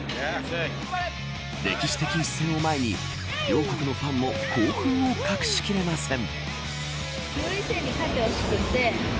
歴史的一戦を前に両国のファンも興奮を隠しきれません。